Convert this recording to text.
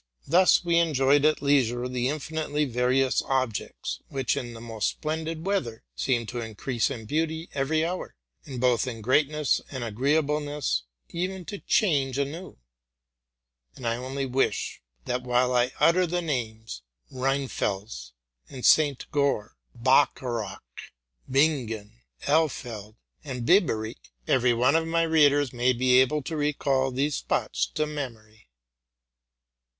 Thus we enjoyed at leisure the infinitely various ob jects, which, in the most splendid weather, seem to increase in beauty every hour, and, both in greatness and agree »able ness, ever to change anew; and I only wish, that while I utter the names, Rheinfels and St. Goar, Bacharach, Bingen, Ellfeld, and Biberich, every one of my readers may be able to recal these spots to memory.